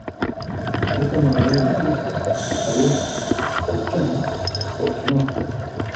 ¡Eso no debe decirse! ¡Adiós! ¿Y por qué no? porque no.